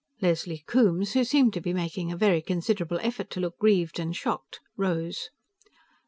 Leslie Coombes, who seemed to be making a very considerable effort to look grieved and shocked, rose.